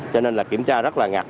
cho nên là kiểm tra rất là nhiều